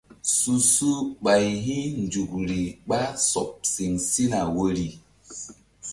Su su ɓay hi̧nzukri ɓa sɔɓ siŋ sina woyri.